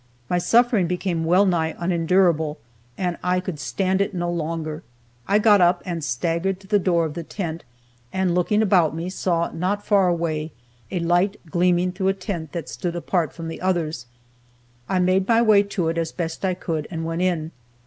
My suffering became well nigh unendurable, and I could stand it no longer. I got up and staggered to the door of the tent and looking about me saw not far away a light gleaming through a tent that stood apart from the others. I made my way to it as best I could, and went in.